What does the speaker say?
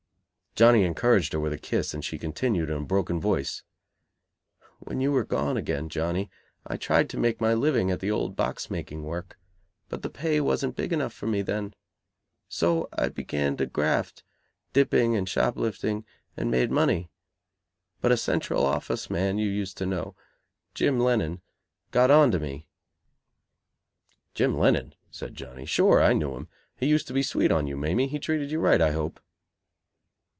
Johnny encouraged her with a kiss and she continued, in a broken voice: "When you were gone again, Johnny, I tried to make my living at the old box making work; but the pay wasn't big enough for me then. So I began to graft dipping and shop lifting and made money. But a Central Office man you used to know Jim Lennon got on to me." "Jim Lennon?" said Johnny, "Sure, I knew him. He used to be sweet on you, Mamie. He treated you right, I hope."